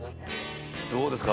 どうですか？